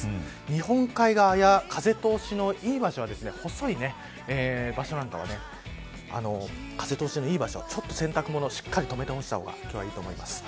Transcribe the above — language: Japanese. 日本海側や風通しのいい場所は細い場所なんかは風通しのいい場所ちょっと洗濯物をとめて干した方がいいと思います。